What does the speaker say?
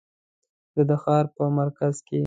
زه د ښار په مرکز کې